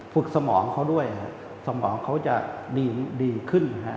สมองเขาด้วยสมองเขาจะดีขึ้น